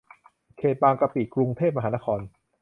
เขตบางกะปิ กรุงเทพมหานคร